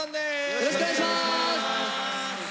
よろしくお願いします。